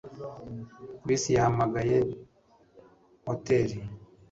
Chris yahamagaye hoteri